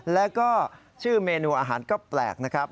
แล้วก็ชื่อเมนูอาหารก็แปลกนะครับ